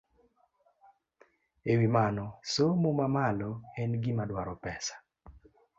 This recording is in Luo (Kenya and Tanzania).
E wi mano, somo mamalo en gima dwaro pesa.